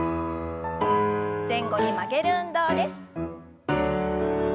前後に曲げる運動です。